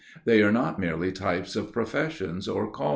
They are not merely types of professions or callings.